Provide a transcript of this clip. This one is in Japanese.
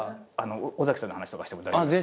尾崎さんの話とかしても大丈夫ですか？